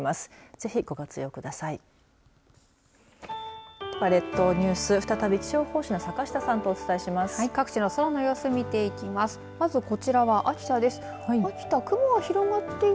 ぜひ、ご活用ください。